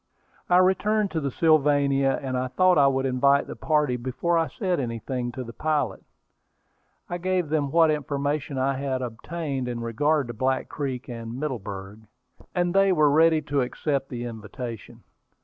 I returned to the Sylvania, and I thought I would invite the party before I said anything to the pilot. I gave them what information I had obtained in regard to Black Creek and Middleburg, and they were ready to accept the invitation.